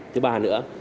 thứ ba nữa